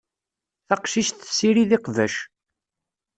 Taqcict tessirid iqbac.